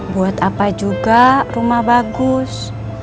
buat apa juga rumah bagus